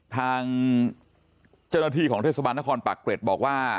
ทางเจ้าหน้าที่ของทศมนครปักตริตบอกว่า